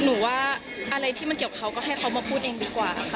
หรือว่าอะไรที่มันเกี่ยวกับเขาก็ให้เขามาพูดเองดีกว่าค่ะ